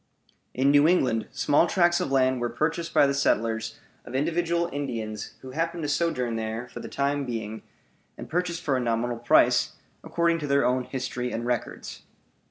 In New England small tracts of land were purchased by the settlers of individual Indians who happened to sojourn there for the time being, and purchased for a nominal price, according to their own history and records.